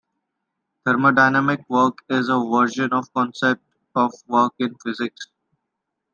Thermodynamic work is a version of the concept of work in physics.